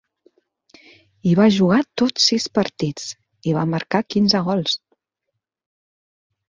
Hi va jugar tots sis partits, i va marcar quinze gols.